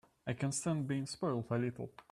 I can stand being spoiled a little.